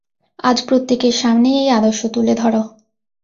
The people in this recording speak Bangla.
আজ প্রত্যেকের সামনেই এই আদর্শ তুলে ধর।